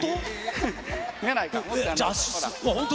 本当？